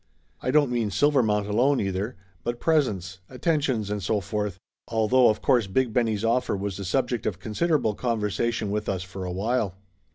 I don't mean Silvermount alone either, but presents, attentions and so forth, al though of course Big Benny's offer was the subject of considerable conversation with us for a while.